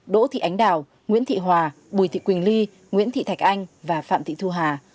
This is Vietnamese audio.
đỗ thị ánh đào nguyễn thị hòa bùi thị quỳnh ly nguyễn thị thạch anh và phạm thị thu hà